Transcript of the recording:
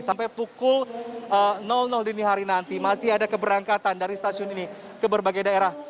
sampai pukul dini hari nanti masih ada keberangkatan dari stasiun ini ke berbagai daerah